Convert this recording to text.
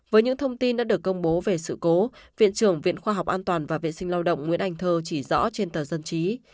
với những thông tin đã được công bố về sự cố viện trưởng viện khoa học an toàn và vệ sinh lao động nguyễn anh thơ chỉ rõ trên tờ dân trí